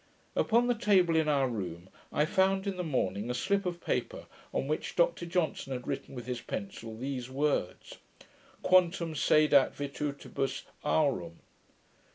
Upon the table in our room I found in the morning a slip of paper, on which Dr Johnson had written with his pencil these words: Quantum cedat virtutibus aurum.